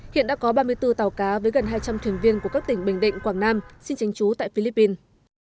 hiện đã có ba mươi bốn tàu cá với gần hai trăm linh thuyền viên của các tỉnh bình định quảng nam xin tránh trú tại philippines